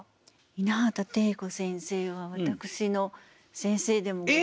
稲畑汀子先生は私の先生でもございまして。